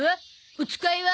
お使いは？